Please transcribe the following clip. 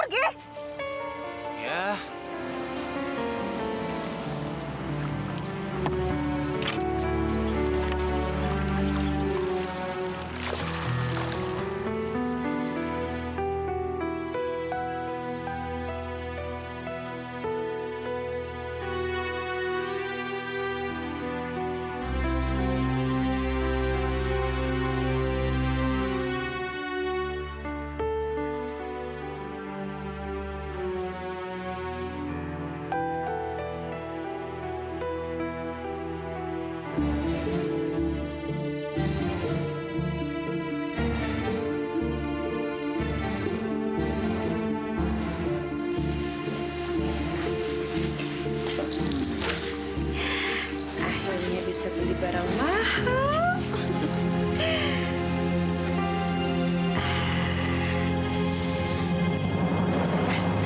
rima capek pak